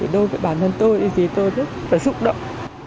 đối với bản thân tôi thì tôi rất là xúc động